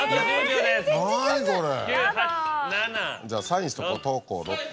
じゃあサインしとこう「所」って。